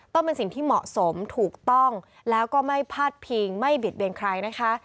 ต้องเป็นสิ่งที่เหมาะสมถูกต้องแล้วก็ไม่พาดพิงไม่บิดเบียนใครนะคะ